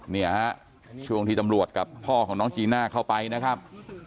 เนี่ยฮะช่วงที่ตำรวจกับพ่อของน้องจีน่าเข้าไปนะครับ